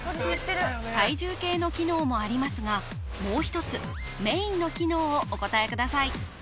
体重計の機能もありますがもう一つメインの機能をお答えください